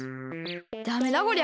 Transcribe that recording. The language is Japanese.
ダメだこりゃ。